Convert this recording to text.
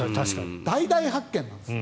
大々発見なんですよ。